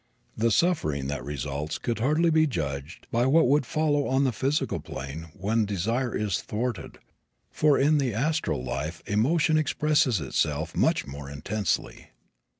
The suffering that results could hardly be judged by what would follow on the physical plane when desire is thwarted, for in the astral life emotion expresses itself much more intensely.